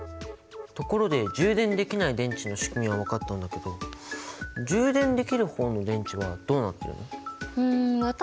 ところで充電できない電池のしくみは分かったんだけど充電できる方の電池はどうなってるの？